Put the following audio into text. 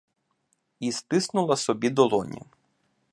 І стиснули собі долоні.